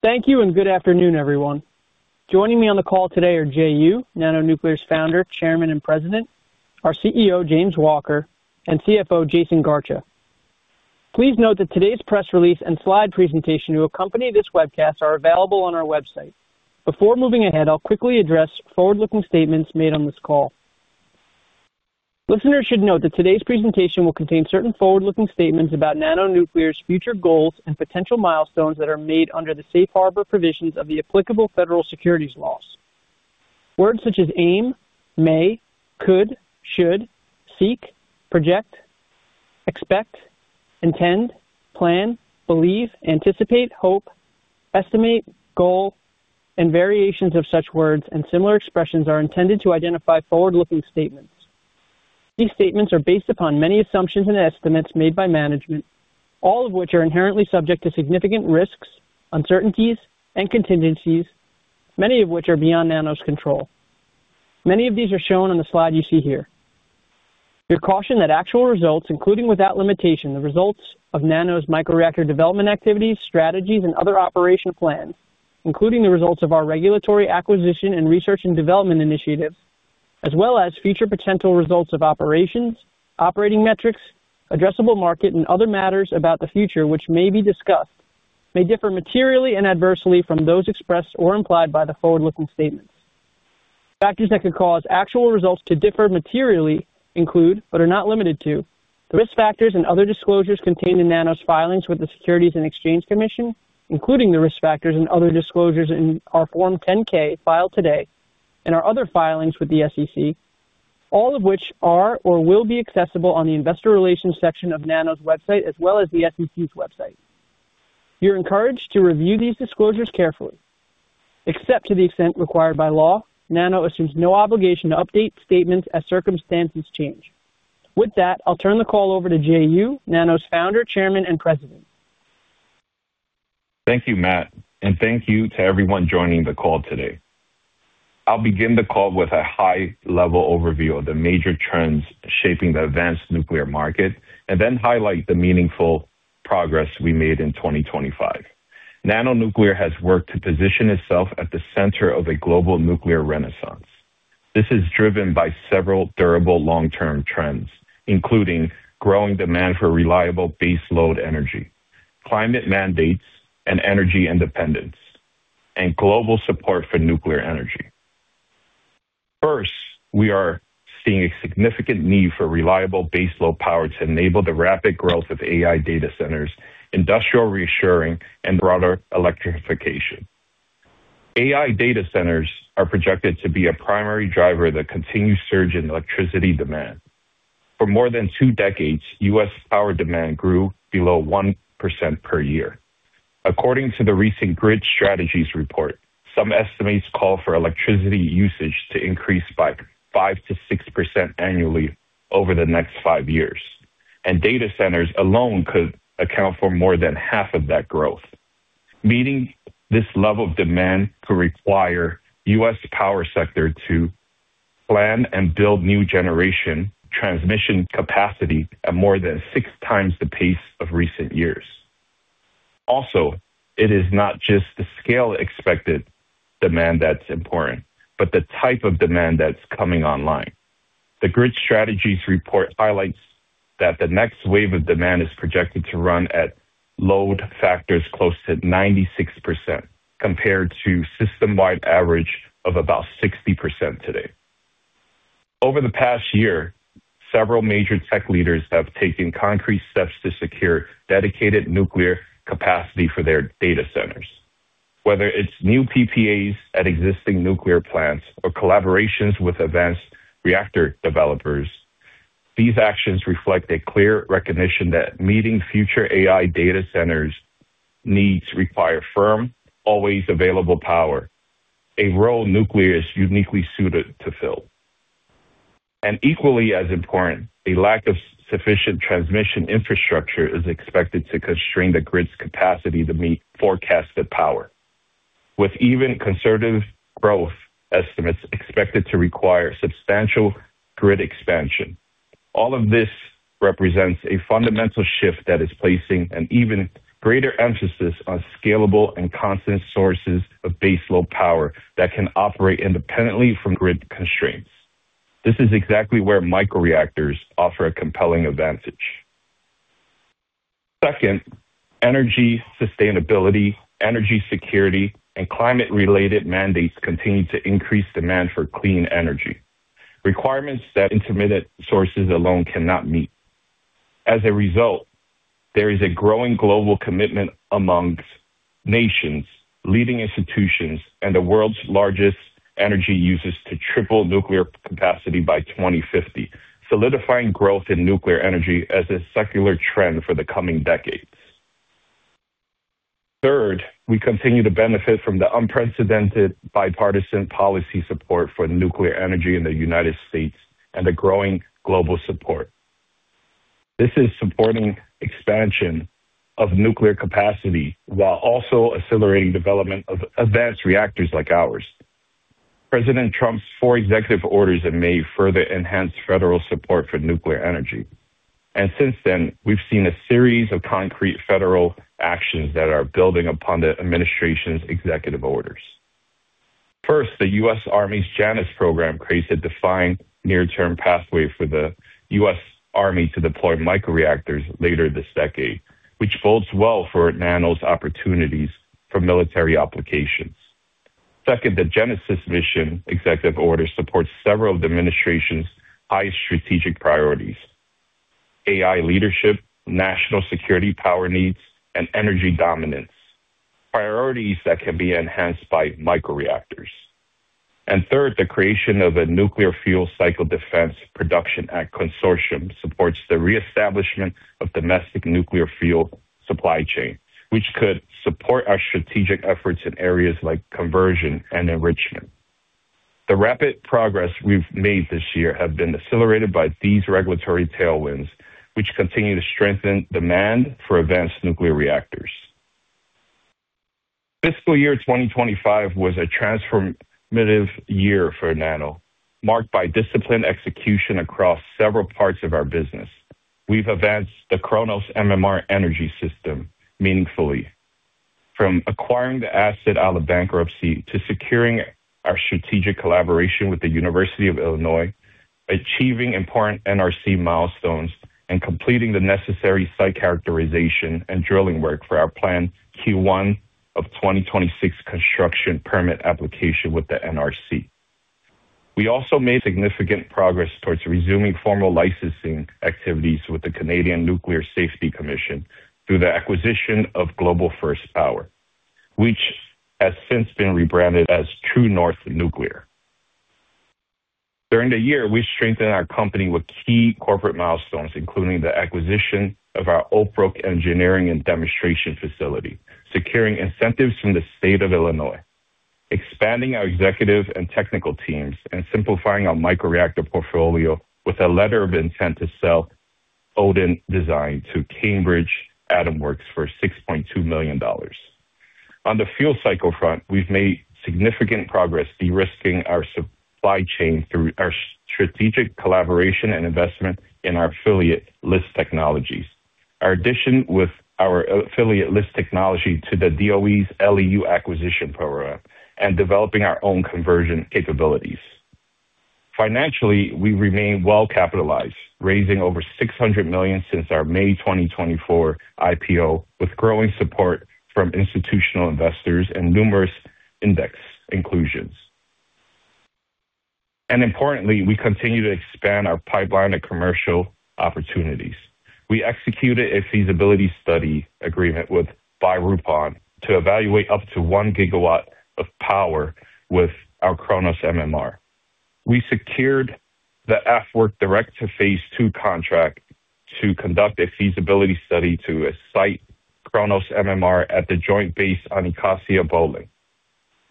Thank you and good afternoon, everyone. Joining me on the call today are Jay Jiang, NANO Nuclear's Founder, Chairman, and President, our CEO, James Walker, and CFO, Jaisun Garcha. Please note that today's press release and slide presentation to accompany this webcast are available on our website. Before moving ahead, I'll quickly address forward-looking statements made on this call. Listeners should note that today's presentation will contain certain forward-looking statements about NANO Nuclear's future goals and potential milestones that are made under the safe harbor provisions of the applicable federal securities laws. Words such as aim, may, could, should, seek, project, expect, intend, plan, believe, anticipate, hope, estimate, goal, and variations of such words and similar expressions are intended to identify forward-looking statements. These statements are based upon many assumptions and estimates made by management, all of which are inherently subject to significant risks, uncertainties, and contingencies, many of which are beyond NANO's control. Many of these are shown on the slide you see here. We're cautioned that actual results, including without limitation, the results of NANO's micro-reactor development activities, strategies, and other operation plans, including the results of our regulatory acquisition and research and development initiatives, as well as future potential results of operations, operating metrics, addressable market, and other matters about the future which may be discussed, may differ materially and adversely from those expressed or implied by the forward-looking statements. Factors that could cause actual results to differ materially include, but are not limited to, the risk factors and other disclosures contained in NANO's filings with the Securities and Exchange Commission, including the risk factors and other disclosures in our Form 10-K filed today, and our other filings with the SEC, all of which are or will be accessible on the investor relations section of NANO's website as well as the SEC's website. You're encouraged to review these disclosures carefully. Except to the extent required by law, NANO assumes no obligation to update statements as circumstances change. With that, I'll turn the call over to Jay Jiang, NANO's founder, chairman, and president. Thank you, Matt, and thank you to everyone joining the call today. I'll begin the call with a high-level overview of the major trends shaping the advanced nuclear market and then highlight the meaningful progress we made in 2025. NANO Nuclear has worked to position itself at the center of a global nuclear renaissance. This is driven by several durable long-term trends, including growing demand for reliable baseload energy, climate mandates and energy independence, and global support for nuclear energy. First, we are seeing a significant need for reliable baseload power to enable the rapid growth of AI data centers, industrial reshoring, and broader electrification. AI data centers are projected to be a primary driver of the continued surge in electricity demand. For more than two decades, U.S. power demand grew below 1% per year. According to the recent Grid Strategies Report, some estimates call for electricity usage to increase by 5%-6% annually over the next five years, and data centers alone could account for more than half of that growth. Meeting this level of demand could require the U.S. power sector to plan and build new generation transmission capacity at more than six times the pace of recent years. Also, it is not just the scale expected demand that's important, but the type of demand that's coming online. The Grid Strategies Report highlights that the next wave of demand is projected to run at load factors close to 96% compared to the system-wide average of about 60% today. Over the past year, several major tech leaders have taken concrete steps to secure dedicated nuclear capacity for their data centers. Whether it's new PPAs at existing nuclear plants or collaborations with advanced reactor developers, these actions reflect a clear recognition that meeting future AI data centers' needs requires firm, always available power, a role nuclear is uniquely suited to fill, and equally as important, the lack of sufficient transmission infrastructure is expected to constrain the grid's capacity to meet forecasted power, with even conservative growth estimates expected to require substantial grid expansion. All of this represents a fundamental shift that is placing an even greater emphasis on scalable and constant sources of baseload power that can operate independently from grid constraints. This is exactly where micro-reactors offer a compelling advantage. Second, energy, sustainability, energy security, and climate-related mandates continue to increase demand for clean energy, requirements that intermittent sources alone cannot meet. As a result, there is a growing global commitment among nations, leading institutions, and the world's largest energy users to triple nuclear capacity by 2050, solidifying growth in nuclear energy as a secular trend for the coming decades. Third, we continue to benefit from the unprecedented bipartisan policy support for nuclear energy in the United States and the growing global support. This is supporting the expansion of nuclear capacity while also accelerating the development of advanced reactors like ours. President Trump's four executive orders in May further enhanced federal support for nuclear energy, and since then, we've seen a series of concrete federal actions that are building upon the administration's executive orders. First, the U.S. Army's Janus program creates a defined near-term pathway for the U.S. Army to deploy micro-reactors later this decade, which bodes well for NANO's opportunities for military applications. Second, the Genesis Mission executive order supports several of the administration's high strategic priorities: AI leadership, national security power needs, and energy dominance, priorities that can be enhanced by micro-reactors. And third, the creation of a Nuclear Fuel Cycle Defense Production Act consortium supports the reestablishment of domestic nuclear fuel supply chains, which could support our strategic efforts in areas like conversion and enrichment. The rapid progress we've made this year has been accelerated by these regulatory tailwinds, which continue to strengthen demand for advanced nuclear reactors. Fiscal year 2025 was a transformative year for NANO, marked by disciplined execution across several parts of our business. We've advanced the KRONOS MMR Energy System meaningfully, from acquiring the asset out of bankruptcy to securing our strategic collaboration with the University of Illinois, achieving important NRC milestones, and completing the necessary site characterization and drilling work for our planned Q1 of 2026 construction permit application with the NRC. We also made significant progress towards resuming formal licensing activities with the Canadian Nuclear Safety Commission through the acquisition of Global First Power, which has since been rebranded as True North Nuclear. During the year, we strengthened our company with key corporate milestones, including the acquisition of our Oak Brook Engineering and Demonstration Facility, securing incentives from the state of Illinois, expanding our executive and technical teams, and simplifying our micro-reactor portfolio with a letter of intent to sell Odin Design to Cambridge Atomworks for $6.2 million. On the fuel cycle front, we've made significant progress, de-risking our supply chain through our strategic collaboration and investment in our affiliate LIS Technologies, our addition with our affiliate LIS Technologies to the DOE's LEU acquisition program, and developing our own conversion capabilities. Financially, we remain well capitalized, raising over $600 million since our May 2024 IPO, with growing support from institutional investors and numerous index inclusions. Importantly, we continue to expand our pipeline of commercial opportunities. We executed a feasibility study agreement with BaRupOn to evaluate up to one gigawatt of power with our KRONOS MMR. We secured the AFWERX Direct to phase II contract to conduct a feasibility study to site KRONOS MMR at the Joint Base Anacostia-Bolling,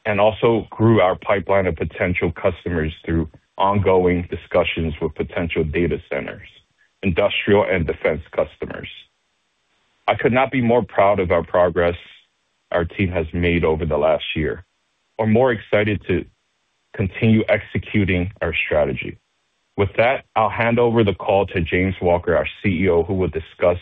and also grew our pipeline of potential customers through ongoing discussions with potential data centers, industrial, and defense customers. I could not be more proud of our progress our team has made over the last year, or more excited to continue executing our strategy. With that, I'll hand over the call to James Walker, our CEO, who will discuss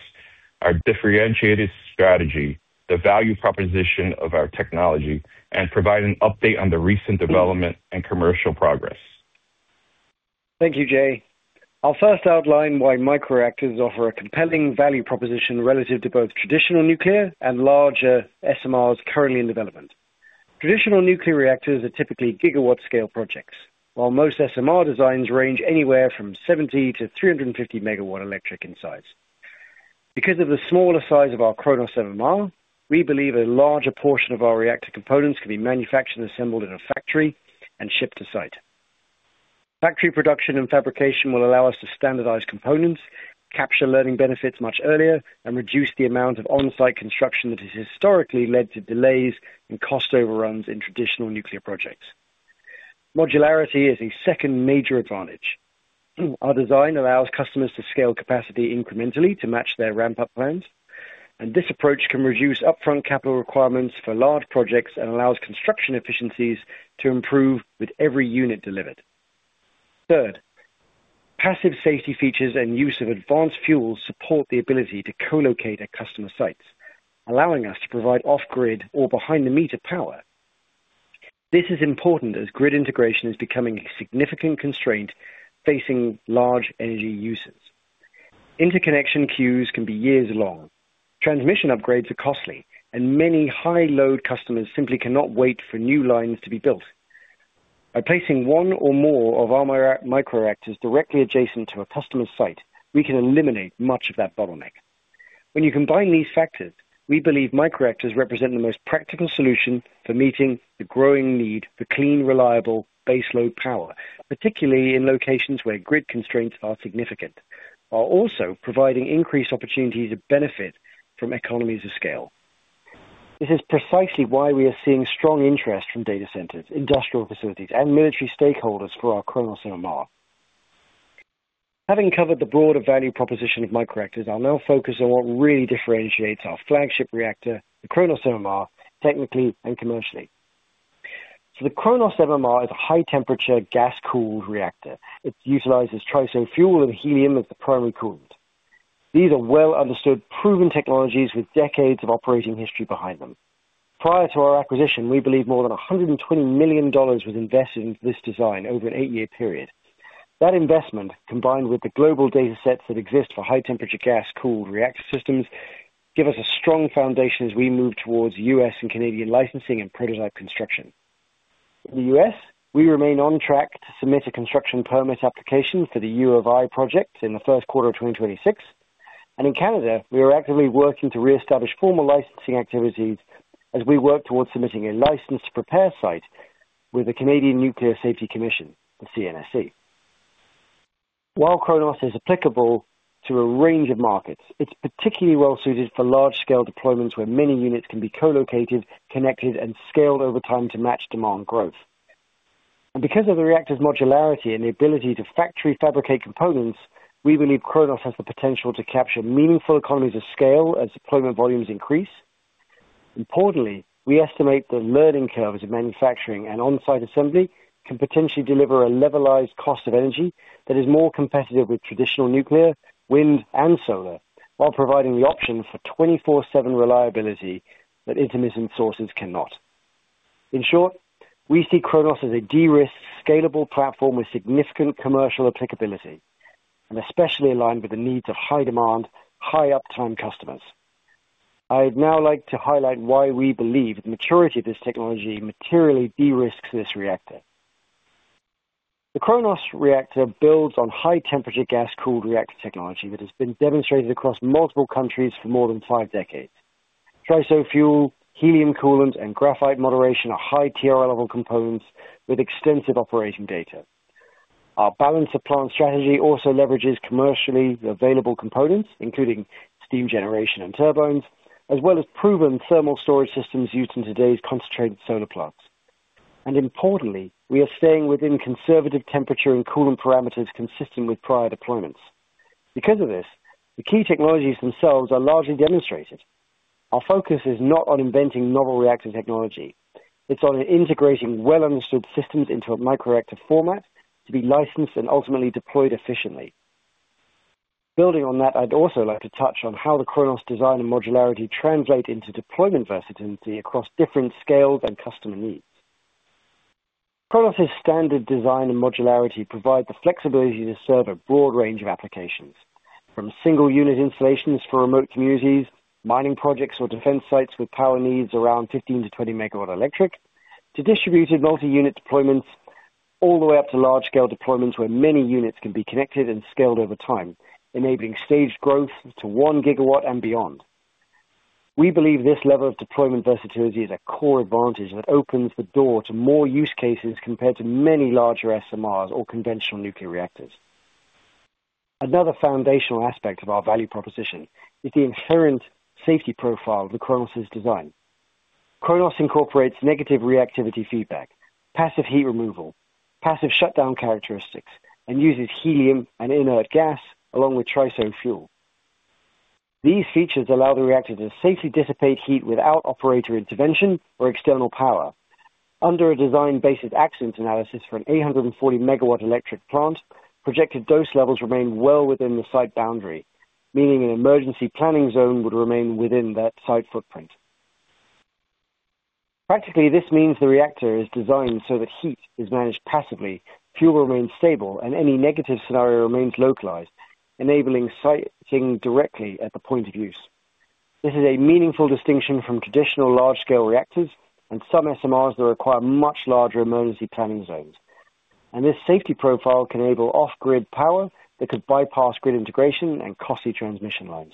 our differentiated strategy, the value proposition of our technology, and provide an update on the recent development and commercial progress. Thank you, Jay. I'll first outline why micro-reactors offer a compelling value proposition relative to both traditional nuclear and larger SMRs currently in development. Traditional nuclear reactors are typically gigawatt-scale projects, while most SMR designs range anywhere from 70-350 MW electric in size. Because of the smaller size of our KRONOS MMR, we believe a larger portion of our reactor components can be manufactured and assembled in a factory and shipped to site. Factory production and fabrication will allow us to standardize components, capture learning benefits much earlier, and reduce the amount of on-site construction that has historically led to delays and cost overruns in traditional nuclear projects. Modularity is a second major advantage. Our design allows customers to scale capacity incrementally to match their ramp-up plans, and this approach can reduce upfront capital requirements for large projects and allows construction efficiencies to improve with every unit delivered. Third, passive safety features and use of advanced fuels support the ability to co-locate at customer sites, allowing us to provide off-grid or behind-the-meter power. This is important as grid integration is becoming a significant constraint facing large energy users. Interconnection queues can be years long, transmission upgrades are costly, and many high-load customers simply cannot wait for new lines to be built. By placing one or more of our micro-reactors directly adjacent to a customer's site, we can eliminate much of that bottleneck. When you combine these factors, we believe micro-reactors represent the most practical solution for meeting the growing need for clean, reliable baseload power, particularly in locations where grid constraints are significant, while also providing increased opportunities of benefit from economies of scale. This is precisely why we are seeing strong interest from data centers, industrial facilities, and military stakeholders for our KRONOS MMR. Having covered the broader value proposition of micro-reactors, I'll now focus on what really differentiates our flagship reactor, the KRONOS MMR, technically and commercially. The KRONOS MMR is a high-temperature gas-cooled reactor. It utilizes TRISO fuel and helium as the primary coolant. These are well-understood, proven technologies with decades of operating history behind them. Prior to our acquisition, we believe more than $120 million was invested into this design over an eight-year period. That investment, combined with the global data sets that exist for high-temperature gas-cooled reactor systems, gives us a strong foundation as we move towards U.S. and Canadian licensing and prototype construction. In the U.S., we remain on track to submit a construction permit application for the U of I project in the first quarter of 2026, and in Canada, we are actively working to reestablish formal licensing activities as we work towards submitting a license-to-prepare site with the Canadian Nuclear Safety Commission, the CNSC. While KRONOS is applicable to a range of markets, it's particularly well-suited for large-scale deployments where many units can be co-located, connected, and scaled over time to match demand growth. And because of the reactor's modularity and the ability to factory fabricate components, we believe KRONOS has the potential to capture meaningful economies of scale as deployment volumes increase. Importantly, we estimate the learning curves of manufacturing and on-site assembly can potentially deliver a levelized cost of energy that is more competitive with traditional nuclear, wind, and solar, while providing the option for 24/7 reliability that intermittent sources cannot. In short, we see KRONOS as a de-risk, scalable platform with significant commercial applicability, and especially aligned with the needs of high-demand, high-uptime customers. I'd now like to highlight why we believe the maturity of this technology materially de-risks this reactor. The KRONOS reactor builds on high-temperature gas-cooled reactor technology that has been demonstrated across multiple countries for more than five decades. TRISO fuel, helium coolant, and graphite moderation are high TRL-level components with extensive operating data. Our balance-to-plant strategy also leverages commercially available components, including steam generation and turbines, as well as proven thermal storage systems used in today's concentrated solar plants. Importantly, we are staying within conservative temperature and coolant parameters consistent with prior deployments. Because of this, the key technologies themselves are largely demonstrated. Our focus is not on inventing novel reactor technology. It's on integrating well-understood systems into a micro-reactor format to be licensed and ultimately deployed efficiently. Building on that, I'd also like to touch on how the KRONOS design and modularity translate into deployment versatility across different scales and customer needs. KRONOS's standard design and modularity provide the flexibility to serve a broad range of applications, from single-unit installations for remote communities, mining projects or defense sites with power needs around 15-20 megawatt electric, to distributed multi-unit deployments, all the way up to large-scale deployments where many units can be connected and scaled over time, enabling staged growth to one gigawatt and beyond. We believe this level of deployment versatility is a core advantage that opens the door to more use cases compared to many larger SMRs or conventional nuclear reactors. Another foundational aspect of our value proposition is the inherent safety profile of the KRONOS's design. KRONOS incorporates negative reactivity feedback, passive heat removal, passive shutdown characteristics, and uses helium and inert gas along with TRISO fuel. These features allow the reactor to safely dissipate heat without operator intervention or external power. Under a design-basis accident analysis for an 840-megawatt-electric plant, projected dose levels remain well within the site boundary, meaning an emergency planning zone would remain within that site footprint. Practically, this means the reactor is designed so that heat is managed passively, fuel remains stable, and any negative scenario remains localized, enabling sighting directly at the point of use. This is a meaningful distinction from traditional large-scale reactors and some SMRs that require much larger emergency planning zones. And this safety profile can enable off-grid power that could bypass grid integration and costly transmission lines.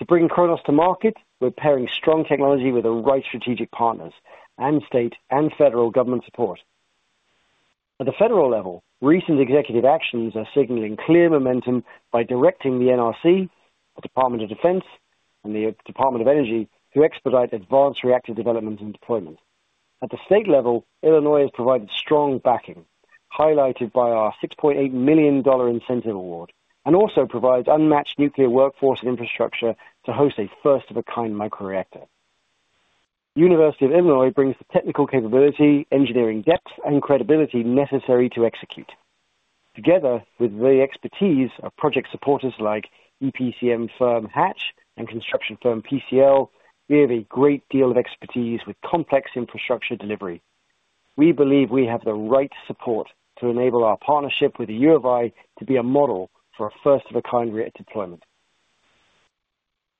To bring KRONOS to market, we're pairing strong technology with the right strategic partners and state and federal government support. At the federal level, recent executive actions are signaling clear momentum by directing the NRC, the Department of Defense, and the Department of Energy to expedite advanced reactor development and deployment. At the state level, Illinois has provided strong backing, highlighted by our $6.8 million incentive award, and also provides unmatched nuclear workforce and infrastructure to host a first-of-a-kind micro-reactor. The University of Illinois brings the technical capability, engineering depth, and credibility necessary to execute. Together with the expertise of project supporters like EPCM firm Hatch and construction firm PCL, we have a great deal of expertise with complex infrastructure delivery. We believe we have the right support to enable our partnership with the U of I to be a model for a first-of-a-kind reactor deployment.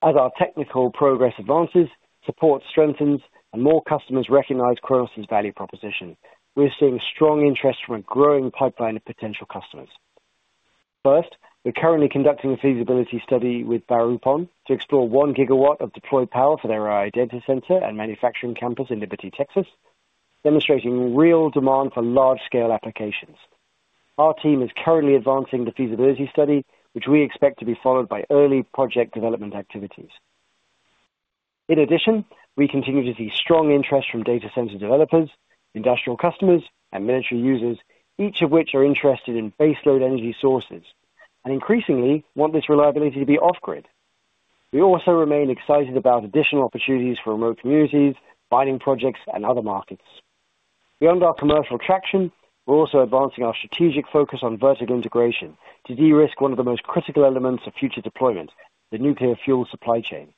As our technical progress advances, support strengthens, and more customers recognize KRONOS's value proposition, we're seeing strong interest from a growing pipeline of potential customers. First, we're currently conducting a feasibility study with BaRupOn to explore one gigawatt of deployed power for their data center and manufacturing campus in Liberty, Texas, demonstrating real demand for large-scale applications. Our team is currently advancing the feasibility study, which we expect to be followed by early project development activities. In addition, we continue to see strong interest from data center developers, industrial customers, and military users, each of which are interested in baseload energy sources and increasingly want this reliability to be off-grid. We also remain excited about additional opportunities for remote communities, mining projects, and other markets. Beyond our commercial traction, we're also advancing our strategic focus on vertical integration to de-risk one of the most critical elements of future deployment: the nuclear fuel supply chain.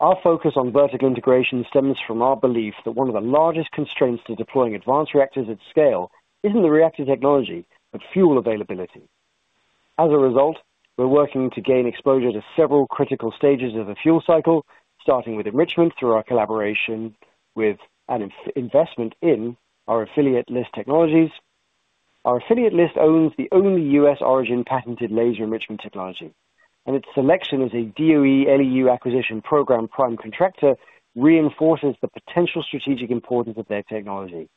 Our focus on vertical integration stems from our belief that one of the largest constraints to deploying advanced reactors at scale isn't the reactor technology, but fuel availability. As a result, we're working to gain exposure to several critical stages of the fuel cycle, starting with enrichment through our collaboration with and investment in our affiliate LIS Technologies. Our affiliate LIS owns the only U.S.-origin patented laser enrichment technology, and its selection as a DOE LEU acquisition program prime contractor reinforces the potential strategic importance of their technology.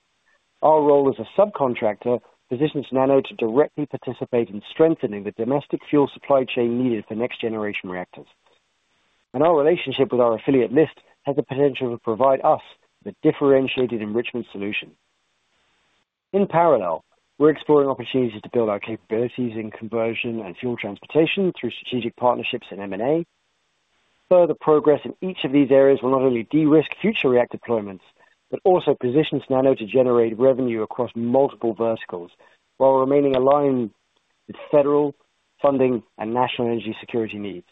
Our role as a subcontractor positions NANO to directly participate in strengthening the domestic fuel supply chain needed for next-generation reactors, and our relationship with our affiliate LIS has the potential to provide us with a differentiated enrichment solution. In parallel, we're exploring opportunities to build our capabilities in conversion and fuel transportation through strategic partnerships and M&A. Further progress in each of these areas will not only de-risk future reactor deployments, but also positions NANO to generate revenue across multiple verticals while remaining aligned with federal funding and national energy security needs.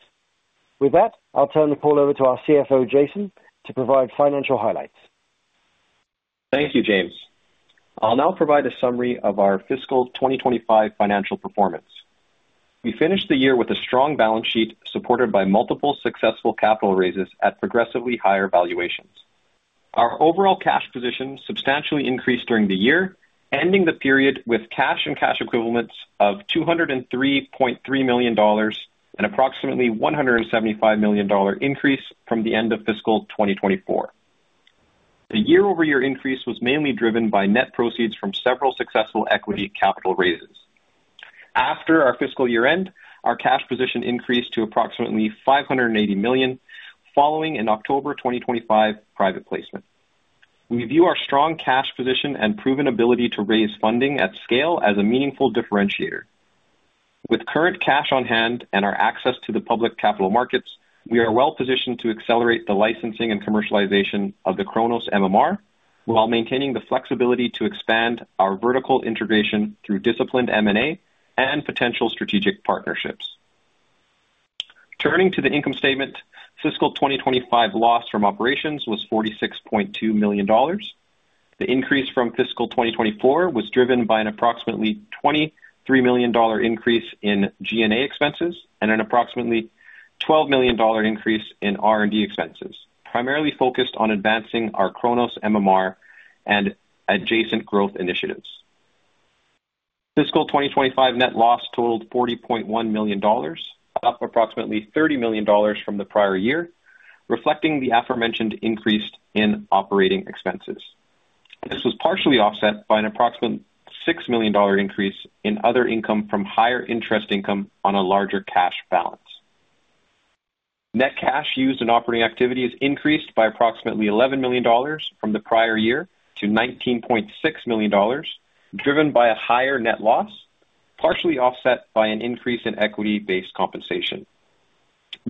With that, I'll turn the call over to our CFO, Jaisun, to provide financial highlights. Thank you, James. I'll now provide a summary of our fiscal 2025 financial performance. We finished the year with a strong balance sheet supported by multiple successful capital raises at progressively higher valuations. Our overall cash position substantially increased during the year, ending the period with cash and cash equivalents of $203.3 million and approximately $175 million increase from the end of fiscal 2024. The year-over-year increase was mainly driven by net proceeds from several successful equity capital raises. After our fiscal year-end, our cash position increased to approximately $580 million, following an October 2025 private placement. We view our strong cash position and proven ability to raise funding at scale as a meaningful differentiator. With current cash on hand and our access to the public capital markets, we are well-positioned to accelerate the licensing and commercialization of the KRONOS MMR while maintaining the flexibility to expand our vertical integration through disciplined M&A and potential strategic partnerships. Turning to the income statement, fiscal 2025 loss from operations was $46.2 million. The increase from fiscal 2024 was driven by an approximately $23 million increase in G&A expenses and an approximately $12 million increase in R&D expenses, primarily focused on advancing our KRONOS MMR and adjacent growth initiatives. Fiscal 2025 net loss totaled $40.1 million, up approximately $30 million from the prior year, reflecting the aforementioned increase in operating expenses. This was partially offset by an approximate $6 million increase in other income from higher interest income on a larger cash balance. Net cash used in operating activity has increased by approximately $11 million from the prior year to $19.6 million, driven by a higher net loss, partially offset by an increase in equity-based compensation.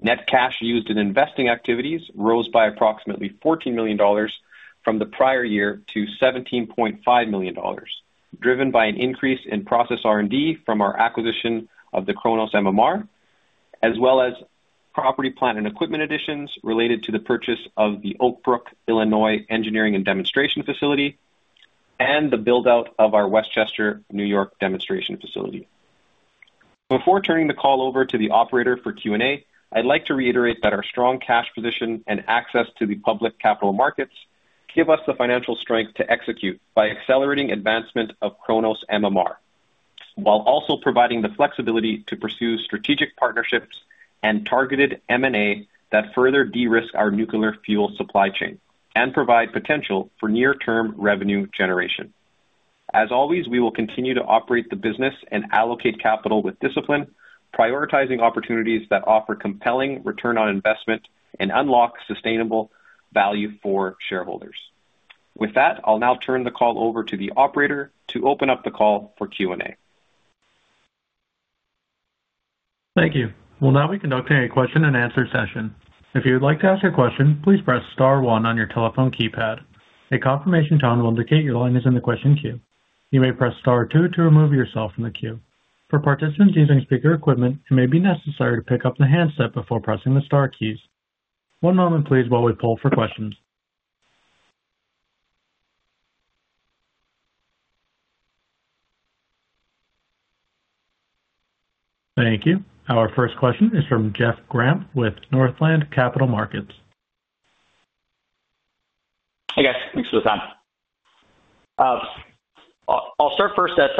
Net cash used in investing activities rose by approximately $14 million from the prior year to $17.5 million, driven by an increase in process R&D from our acquisition of the KRONOS MMR, as well as property, plant and equipment additions related to the purchase of the Oak Brook, Illinois engineering and demonstration facility, and the build-out of our Westchester, New York demonstration facility. Before turning the call over to the operator for Q&A, I'd like to reiterate that our strong cash position and access to the public capital markets give us the financial strength to execute by accelerating advancement of KRONOS MMR, while also providing the flexibility to pursue strategic partnerships and targeted M&A that further de-risk our nuclear fuel supply chain and provide potential for near-term revenue generation. As always, we will continue to operate the business and allocate capital with discipline, prioritizing opportunities that offer compelling return on investment and unlock sustainable value for shareholders. With that, I'll now turn the call over to the operator to open up the call for Q&A. Thank you. We'll now be conducting a question-and-answer session. If you'd like to ask a question, please press Star 1 on your telephone keypad. A confirmation tone will indicate your line is in the question queue. You may press Star 2 to remove yourself from the queue. For participants using speaker equipment, it may be necessary to pick up the handset before pressing the Star keys. One moment, please, while we pull for questions. Thank you. Our first question is from Jeff Grampp with Northland Capital Markets. Hey, guys. Thanks for the time. I'll start first at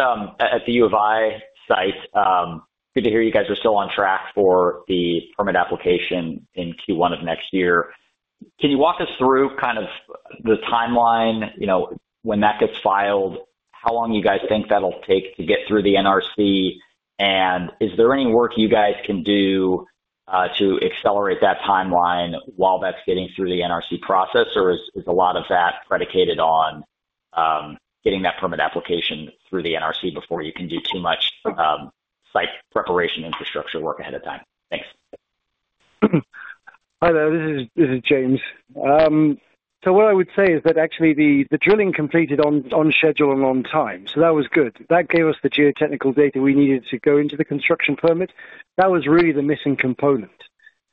the U of I site. Good to hear you guys are still on track for the permit application in Q1 of next year. Can you walk us through kind of the timeline, when that gets filed, how long you guys think that'll take to get through the NRC, and is there any work you guys can do to accelerate that timeline while that's getting through the NRC process, or is a lot of that predicated on getting that permit application through the NRC before you can do too much site preparation infrastructure work ahead of time? Thanks. Hi, there. This is James. So what I would say is that actually the drilling completed on schedule and on time, so that was good. That gave us the geotechnical data we needed to go into the construction permit. That was really the missing component.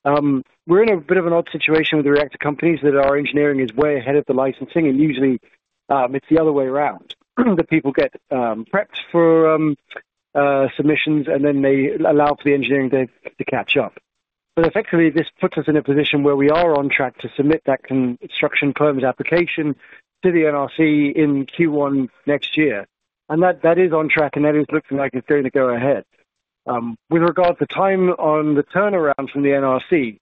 We're in a bit of an odd situation with the reactor companies that our engineering is way ahead of the licensing, and usually it's the other way around that people get prepped for submissions, and then they allow for the engineering to catch up. But effectively, this puts us in a position where we are on track to submit that construction permit application to the NRC in Q1 next year. And that is on track, and that is looking like it's going to go ahead. With regard to time on the turnaround from the NRC,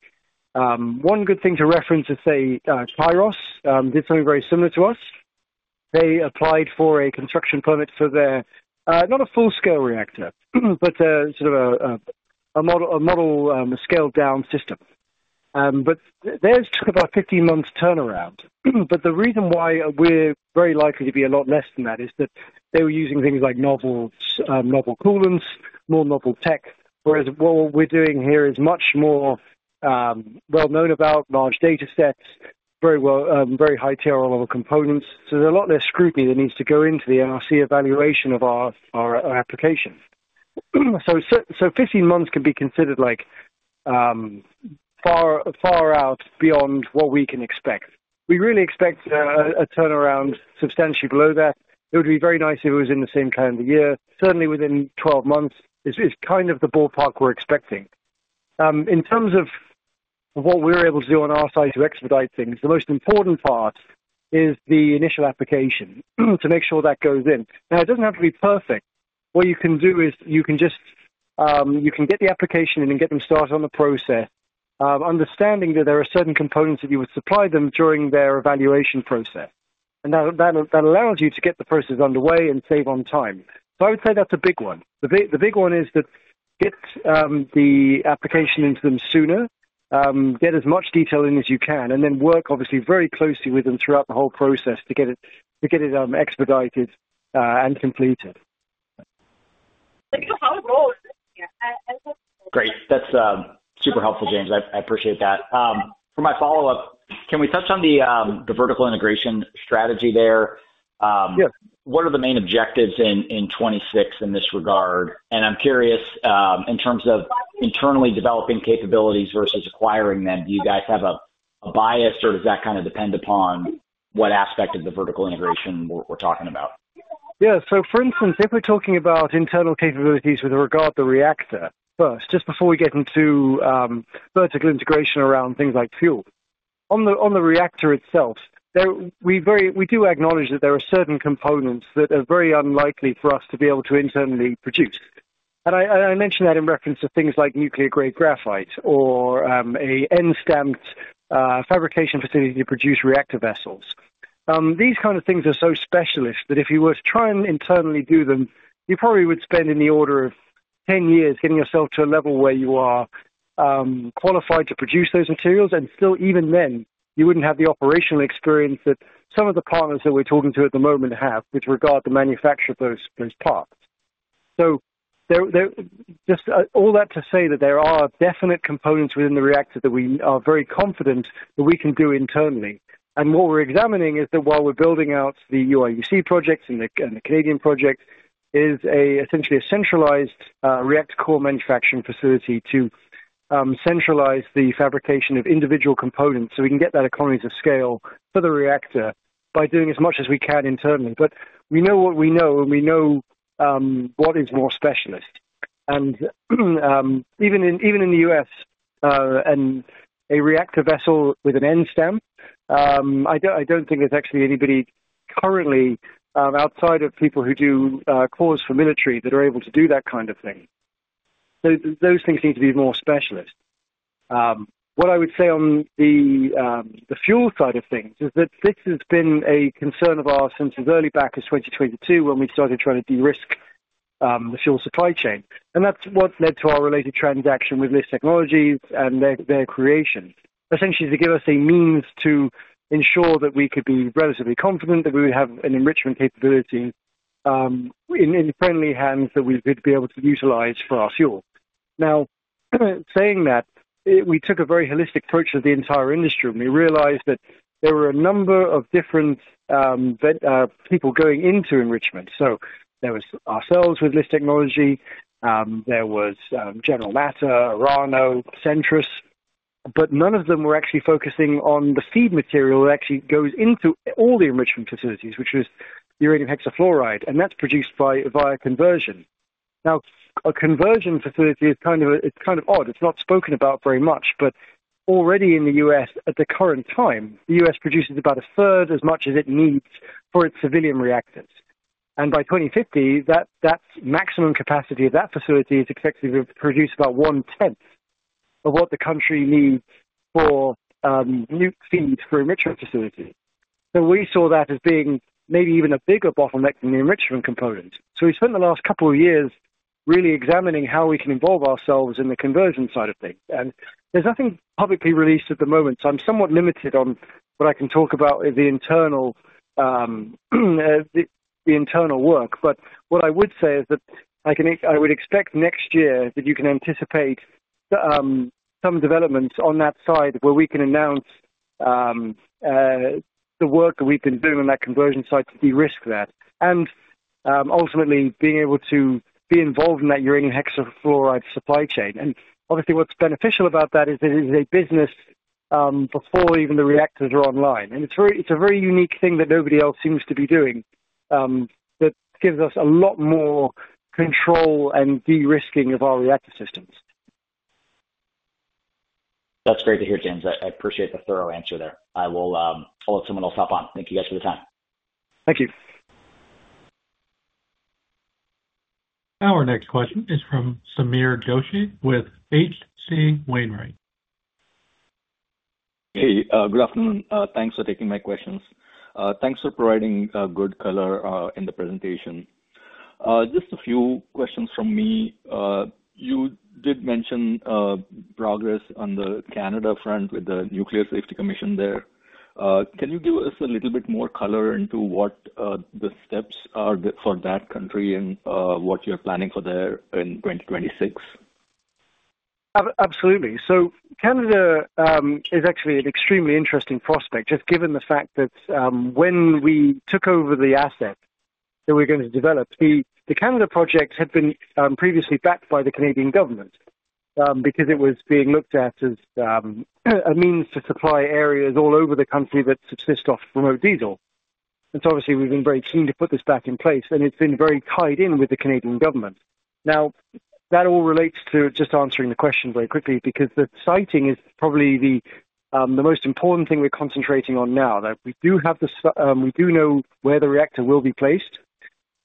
one good thing to reference is, say, Kairos did something very similar to us. They applied for a construction permit for their, not a full-scale reactor, but sort of a model, a scaled-down system. But theirs took about 15 months turnaround. But the reason why we're very likely to be a lot less than that is that they were using things like novel coolants, more novel tech, whereas what we're doing here is much more well-known about, large data sets, very high-tier components. So there's a lot less scrutiny that needs to go into the NRC evaluation of our application. So 15 months can be considered far out beyond what we can expect. We really expect a turnaround substantially below that. It would be very nice if it was in the same time of the year. Certainly, within 12 months is kind of the ballpark we're expecting. In terms of what we're able to do on our side to expedite things, the most important part is the initial application to make sure that goes in. Now, it doesn't have to be perfect. What you can do is you can just get the application and get them started on the process, understanding that there are certain components that you would supply them during their evaluation process. And that allows you to get the process underway and save on time. So I would say that's a big one. The big one is that get the application into them sooner, get as much detail in as you can, and then work, obviously, very closely with them throughout the whole process to get it expedited and completed. Great. That's super helpful, James. I appreciate that. For my follow-up, can we touch on the vertical integration strategy there? Yes. What are the main objectives in 2026 in this regard, and I'm curious, in terms of internally developing capabilities versus acquiring them, do you guys have a bias, or does that kind of depend upon what aspect of the vertical integration we're talking about? Yeah. So, for instance, if we're talking about internal capabilities with regard to the reactor first, just before we get into vertical integration around things like fuel. On the reactor itself, we do acknowledge that there are certain components that are very unlikely for us to be able to internally produce. And I mentioned that in reference to things like nuclear-grade graphite or an N-Stamp fabrication facility to produce reactor vessels. These kinds of things are so specialist that if you were to try and internally do them, you probably would spend in the order of 10 years getting yourself to a level where you are qualified to produce those materials, and still, even then, you wouldn't have the operational experience that some of the partners that we're talking to at the moment have with regard to the manufacture of those parts. So just all that to say that there are definite components within the reactor that we are very confident that we can do internally. And what we're examining is that while we're building out the UIUC projects and the Canadian project, is essentially a centralized reactor core manufacturing facility to centralize the fabrication of individual components so we can get that economies of scale for the reactor by doing as much as we can internally. But we know what we know, and we know what is more specialist. And even in the U.S., a reactor vessel with an N-Stamp, I don't think there's actually anybody currently outside of people who do cores for military that are able to do that kind of thing. So those things need to be more specialist. What I would say on the fuel side of things is that this has been a concern of ours since as early back as 2022 when we started trying to de-risk the fuel supply chain, and that's what led to our related transaction with LIS Technologies and their creation, essentially to give us a means to ensure that we could be relatively confident that we would have an enrichment capability in friendly hands that we could be able to utilize for our fuel. Now, saying that, we took a very holistic approach to the entire industry, and we realized that there were a number of different people going into enrichment. There was ourselves with LIS Technologies, there was General Matter, Orano, Centris, but none of them were actually focusing on the feed material that actually goes into all the enrichment facilities, which is uranium hexafluoride, and that's produced by via conversion. Now, a conversion facility is kind of odd. It's not spoken about very much, but already in the U.S., at the current time, the U.S. produces about a third as much as it needs for its civilian reactors. And by 2050, that maximum capacity of that facility is expected to produce about one-tenth of what the country needs for feed for enrichment facilities. We saw that as being maybe even a bigger bottleneck than the enrichment components. We spent the last couple of years really examining how we can involve ourselves in the conversion side of things. There's nothing publicly released at the moment, so I'm somewhat limited on what I can talk about the internal work. What I would say is that I would expect next year that you can anticipate some developments on that side where we can announce the work that we've been doing on that conversion site to de-risk that, and ultimately being able to be involved in that uranium hexafluoride supply chain. Obviously, what's beneficial about that is that it is a business before even the reactors are online. It's a very unique thing that nobody else seems to be doing that gives us a lot more control and de-risking of our reactor systems. That's great to hear, James. I appreciate the thorough answer there. I will let someone else hop on. Thank you guys for the time. Thank you. Our next question is from Sameer Joshi with H.C. Wainwright. Hey, good afternoon. Thanks for taking my questions. Thanks for providing good color in the presentation. Just a few questions from me. You did mention progress on the Canada front with the Nuclear Safety Commission there. Can you give us a little bit more color into what the steps are for that country and what you're planning for there in 2026? Absolutely. So Canada is actually an extremely interesting prospect, just given the fact that when we took over the asset that we're going to develop, the Canada project had been previously backed by the Canadian government because it was being looked at as a means to supply areas all over the country that subsist off remote diesel. And so obviously, we've been very keen to put this back in place, and it's been very tied in with the Canadian government. Now, that all relates to just answering the question very quickly because the siting is probably the most important thing we're concentrating on now. We do know where the reactor will be placed,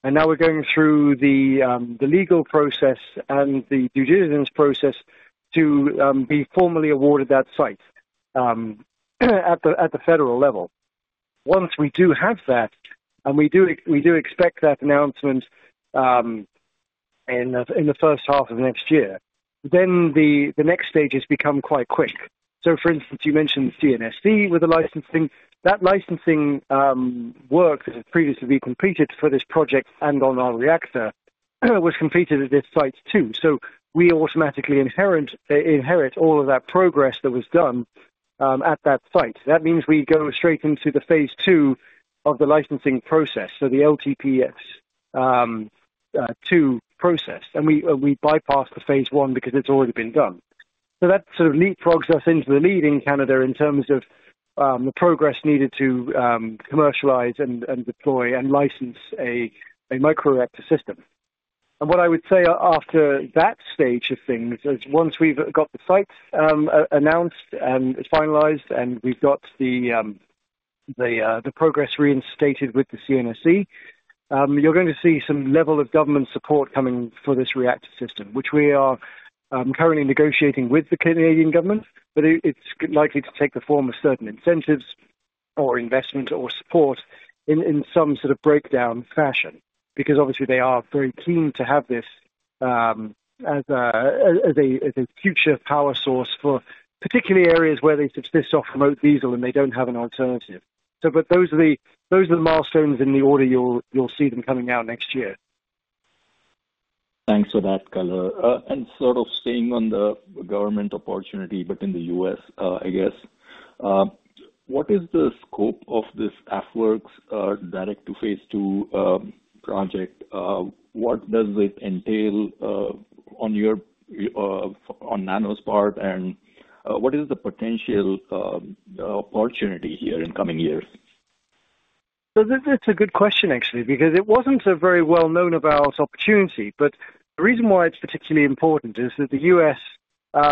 and now we're going through the legal process and the due diligence process to be formally awarded that site at the federal level. Once we do have that, and we do expect that announcement in the first half of next year, then the next stage has become quite quick. So, for instance, you mentioned CNSC with the licensing. That licensing work that had previously been completed for this project and on our reactor was completed at this site too. So we automatically inherit all of that progress that was done at that site. That means we go straight into the phase two of the licensing process, so the LTPS two process, and we bypass the phase one because it's already been done. So that sort of leapfrogs us into the lead in Canada in terms of the progress needed to commercialize and deploy and license a micro-reactor system. What I would say after that stage of things is once we've got the site announced and finalized and we've got the progress reinstated with the CNSC, you're going to see some level of government support coming for this reactor system, which we are currently negotiating with the Canadian government, but it's likely to take the form of certain incentives or investment or support in some sort of breakdown fashion because obviously they are very keen to have this as a future power source for particularly areas where they subsist off remote diesel and they don't have an alternative. But those are the milestones in the order you'll see them coming out next year. Thanks for that, Carl. And sort of staying on the government opportunity, but in the U.S., I guess, what is the scope of this AFWERX direct-to-phase two project? What does it entail on NANO's part, and what is the potential opportunity here in coming years? That's a good question, actually, because it wasn't a very well-known about opportunity. But the reason why it's particularly important is that the U.S.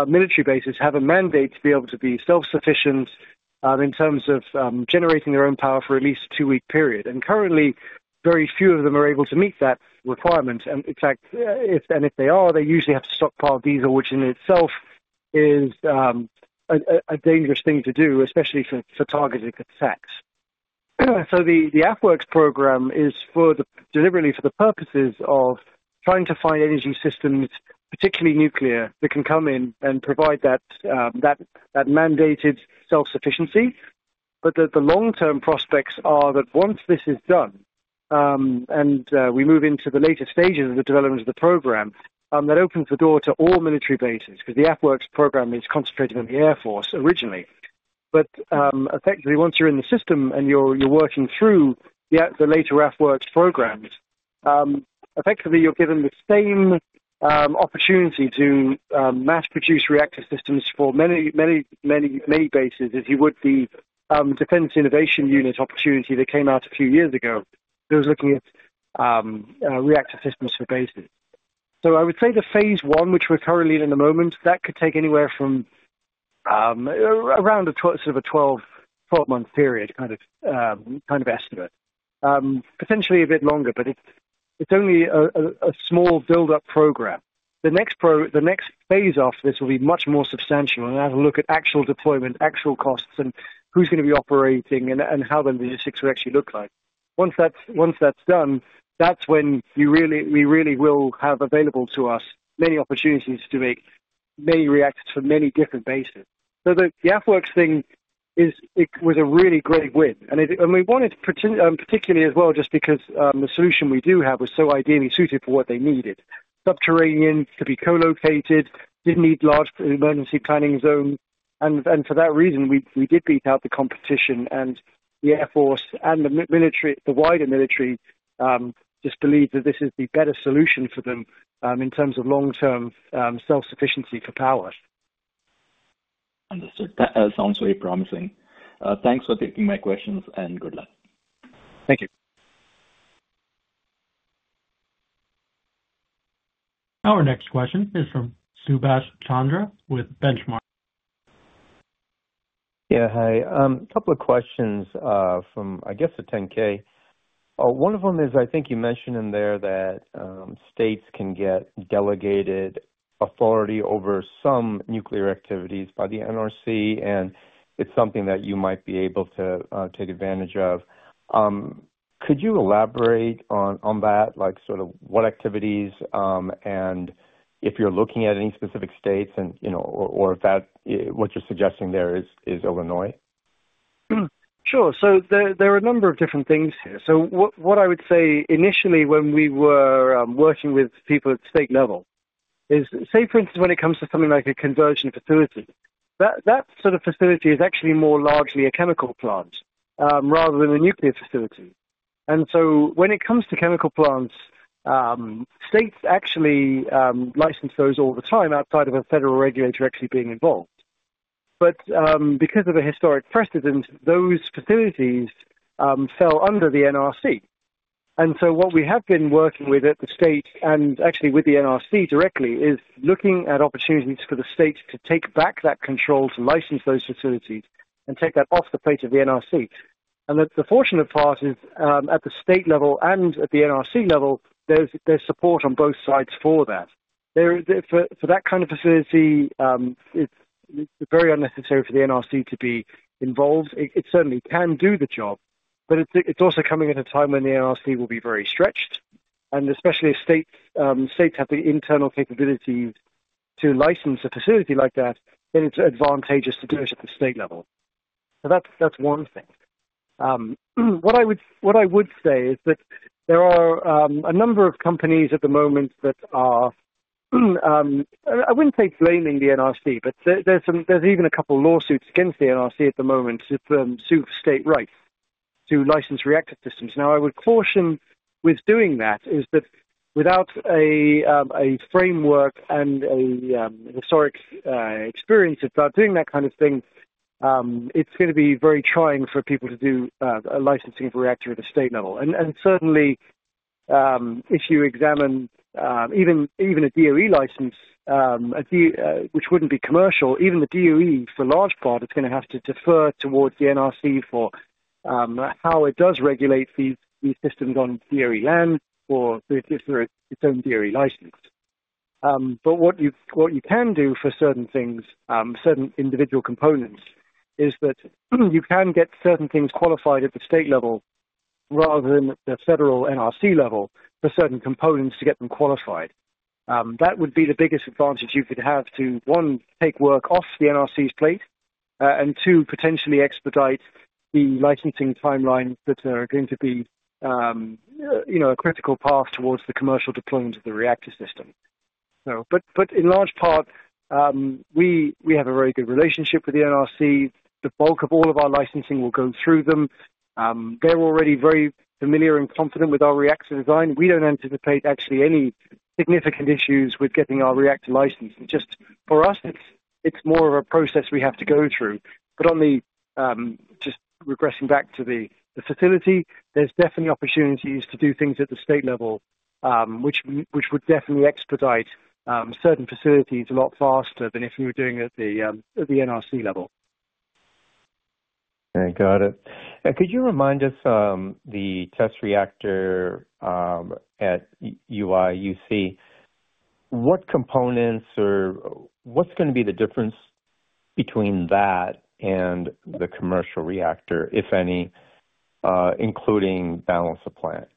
military bases have a mandate to be able to be self-sufficient in terms of generating their own power for at least a two-week period. And currently, very few of them are able to meet that requirement. And in fact, if they are, they usually have to stockpile diesel, which in itself is a dangerous thing to do, especially for targeted attacks. So the AFWERX program is deliberately for the purposes of trying to find energy systems, particularly nuclear, that can come in and provide that mandated self-sufficiency. But the long-term prospects are that once this is done and we move into the later stages of the development of the program, that opens the door to all military bases because the AFWERX program is concentrated on the Air Force originally. But effectively, once you're in the system and you're working through the later AFWERX programs, effectively, you're given the same opportunity to mass-produce reactor systems for many bases as you would the Defense Innovation Unit opportunity that came out a few years ago that was looking at reactor systems for bases. So I would say the phase one, which we're currently in at the moment, that could take anywhere from around a sort of a 12-month period kind of estimate, potentially a bit longer, but it's only a small build-up program. The next phase after this will be much more substantial, and that'll look at actual deployment, actual costs, and who's going to be operating and how the logistics will actually look like. Once that's done, that's when we really will have available to us many opportunities to make many reactors for many different bases. So the AFWERX thing was a really great win. And we wanted particularly as well just because the solution we do have was so ideally suited for what they needed. Subterranean could be co-located, didn't need large emergency planning zones. And for that reason, we did beat out the competition, and the Air Force and the wider military just believe that this is the better solution for them in terms of long-term self-sufficiency for power. Understood. That sounds very promising. Thanks for taking my questions, and good luck. Thank you. Our next question is from Subash Chandra with Benchmark. Yeah, hi. A couple of questions from, I guess, the 10-K. One of them is I think you mentioned in there that states can get delegated authority over some nuclear activities by the NRC, and it's something that you might be able to take advantage of. Could you elaborate on that, sort of what activities and if you're looking at any specific states or if what you're suggesting there is Illinois? Sure. So there are a number of different things here. So what I would say initially when we were working with people at state level is, say, for instance, when it comes to something like a conversion facility, that sort of facility is actually more largely a chemical plant rather than a nuclear facility. And so when it comes to chemical plants, states actually license those all the time outside of a federal regulator actually being involved. But because of a historic precedent, those facilities fell under the NRC. And so what we have been working with at the state and actually with the NRC directly is looking at opportunities for the states to take back that control to license those facilities and take that off the plate of the NRC. The fortunate part is at the state level and at the NRC level, there's support on both sides for that. For that kind of facility, it's very unnecessary for the NRC to be involved. It certainly can do the job, but it's also coming at a time when the NRC will be very stretched. Especially if states have the internal capabilities to license a facility like that, then it's advantageous to do it at the state level. That's one thing. What I would say is that there are a number of companies at the moment that are, I wouldn't say blaming the NRC, but there's even a couple of lawsuits against the NRC at the moment to sue for state rights to license reactor systems. Now, I would caution with doing that is that without a framework and a historic experience about doing that kind of thing, it's going to be very trying for people to do licensing of a reactor at a state level, and certainly, if you examine even a DOE license, which wouldn't be commercial, even the DOE, for a large part, is going to have to defer towards the NRC for how it does regulate these systems on DOE land or if there is its own DOE license, but what you can do for certain things, certain individual components, is that you can get certain things qualified at the state level rather than at the federal NRC level for certain components to get them qualified. That would be the biggest advantage you could have to, one, take work off the NRC's plate and, two, potentially expedite the licensing timelines that are going to be a critical path towards the commercial deployment of the reactor system. But in large part, we have a very good relationship with the NRC. The bulk of all of our licensing will go through them. They're already very familiar and confident with our reactor design. We don't anticipate actually any significant issues with getting our reactor licensed. Just for us, it's more of a process we have to go through. But just circling back to the facility, there's definitely opportunities to do things at the state level, which would definitely expedite certain facilities a lot faster than if we were doing it at the NRC level. Okay, got it. Could you remind us, the test reactor at UIUC, what components or what's going to be the difference between that and the commercial reactor, if any, including balance of plant?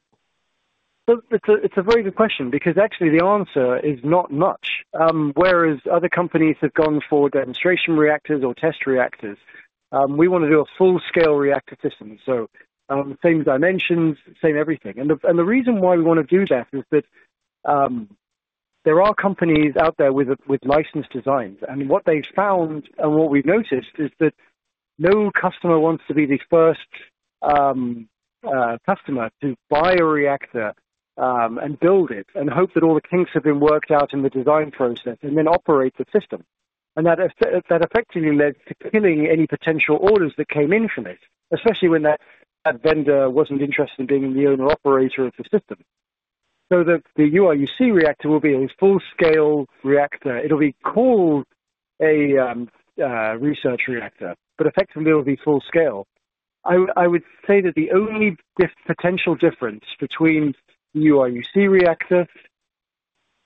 It's a very good question because actually the answer is not much. Whereas other companies have gone for demonstration reactors or test reactors, we want to do a full-scale reactor system. So same dimensions, same everything. And the reason why we want to do that is that there are companies out there with licensed designs. And what they've found and what we've noticed is that no customer wants to be the first customer to buy a reactor and build it and hope that all the kinks have been worked out in the design process and then operate the system. And that effectively led to killing any potential orders that came in from it, especially when that vendor wasn't interested in being the owner-operator of the system. So the UIUC reactor will be a full-scale reactor. It'll be called a research reactor, but effectively it'll be full-scale. I would say that the only potential difference between the UIUC reactor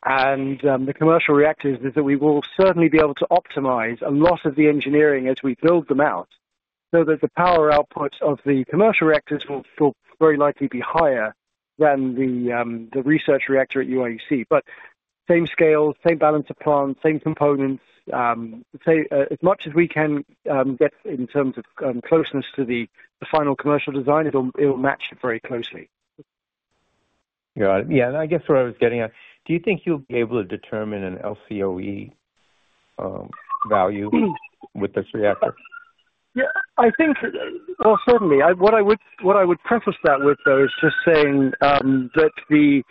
and the commercial reactors is that we will certainly be able to optimize a lot of the engineering as we build them out so that the power output of the commercial reactors will very likely be higher than the research reactor at UIUC. But same scale, same balance of plant, same components, as much as we can get in terms of closeness to the final commercial design, it'll match it very closely. Got it. Yeah. And I guess where I was getting at, do you think you'll be able to determine an LCOE value with this reactor? Yeah. Well, certainly. What I would preface that with, though, is just saying that the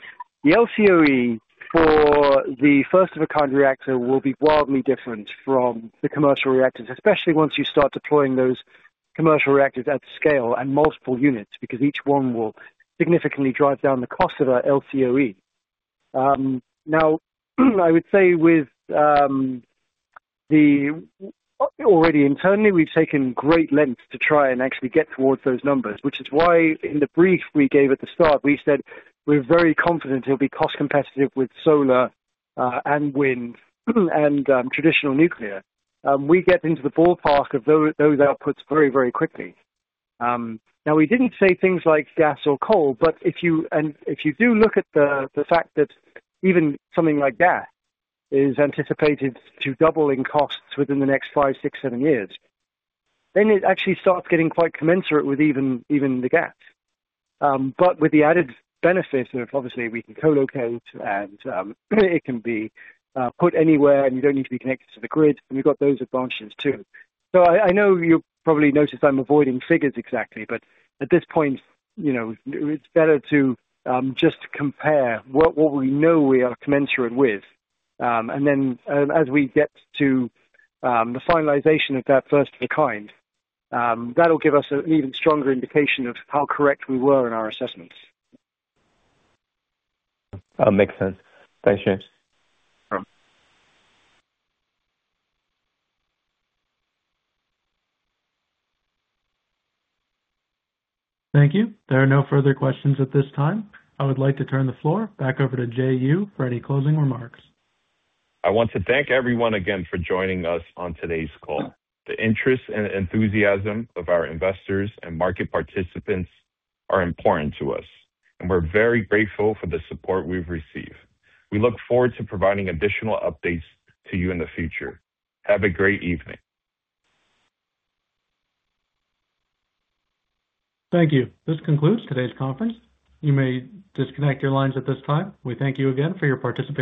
LCOE for the first-of-a-kind reactor will be wildly different from the commercial reactors, especially once you start deploying those commercial reactors at scale and multiple units because each one will significantly drive down the cost of our LCOE. Now, I would say with the already internally, we've taken great lengths to try and actually get towards those numbers, which is why in the brief we gave at the start, we said we're very confident it'll be cost-competitive with solar and wind and traditional nuclear. We get into the ballpark of those outputs very, very quickly. Now, we didn't say things like gas or coal, but if you do look at the fact that even something like gas is anticipated to double in costs within the next five, six, seven years, then it actually starts getting quite commensurate with even the gas. But with the added benefit of, obviously, we can co-locate and it can be put anywhere and you don't need to be connected to the grid. And we've got those advantages too. So I know you probably noticed I'm avoiding figures exactly, but at this point, it's better to just compare what we know we are commensurate with. And then as we get to the finalization of that first-of-a-kind, that'll give us an even stronger indication of how correct we were in our assessments. That makes sense. Thanks, James. Thank you. There are no further questions at this time. I would like to turn the floor back over to Jay Yu for any closing remarks. I want to thank everyone again for joining us on today's call. The interest and enthusiasm of our investors and market participants are important to us, and we're very grateful for the support we've received. We look forward to providing additional updates to you in the future. Have a great evening. Thank you. This concludes today's conference. You may disconnect your lines at this time. We thank you again for your participation.